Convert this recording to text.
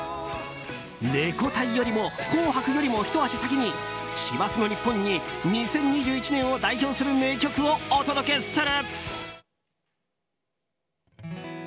「レコ大」よりも「紅白」よりもひと足先に師走の日本に２０２１年を代表する名曲をお届けする！